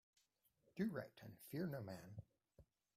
Do right and fear no man.